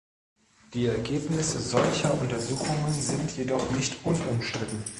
Die Ergebnisse solcher Untersuchungen sind jedoch nicht unumstritten.